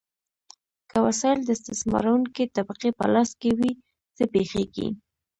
که وسایل د استثمارونکې طبقې په لاس کې وي، څه پیښیږي؟